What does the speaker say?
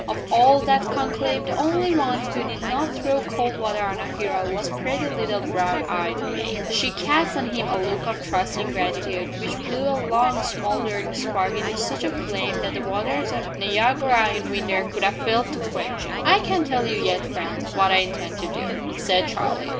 Of all that conclave the only one who did not throw cold water on our hero was pretty little brown eyed May. She cast on him a look of trusting gratitude which blew a long smouldering spark into such a flame that the waters of Niagara in winter would have failed to quench it. "I can't tell you yet, friends, what I intend to do," said Charlie.